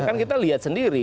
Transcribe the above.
kan kita lihat sendiri